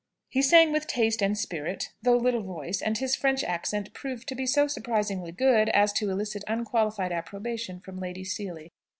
He sang with taste and spirit, though little voice; and his French accent proved to be so surprisingly good, as to elicit unqualified approbation from Lady Seely.